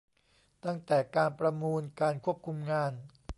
ตั้งแต่การประมูล การควบคุมงาน